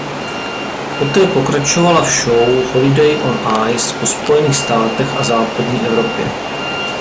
Poté pokračovala v show "Holiday on Ice" po Spojených státech a Západní Evropě.